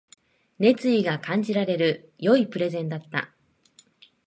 熱意が感じられる良いプレゼンだった